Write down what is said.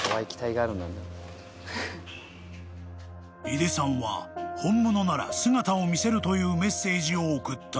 ［井出さんは「本物なら姿を見せろ」というメッセージを送った］